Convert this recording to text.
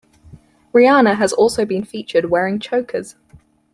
Rihanna has also been featured wearing chokers.